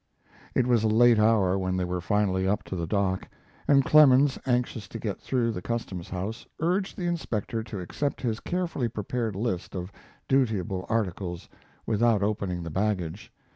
It was a late hour when they were finally up to the dock, and Clemens, anxious to get through the Custom House, urged the inspector to accept his carefully prepared list of dutiable articles, without opening the baggage.